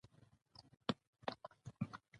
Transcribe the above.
د خلکو غږ اورېدل د ټولنې ثبات تضمینوي